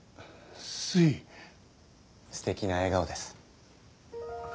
すいすてきな笑顔です